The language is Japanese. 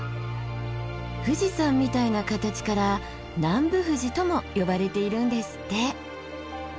富士山みたいな形から南部富士とも呼ばれているんですって。